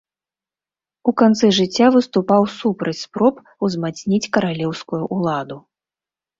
У канцы жыцця выступаў супраць спроб узмацніць каралеўскую ўладу.